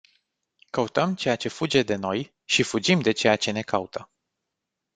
Căutăm ceea ce fuge de noi și fugim de ceea ce ne caută.